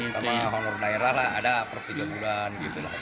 sama honor daerah ada per tiga bulan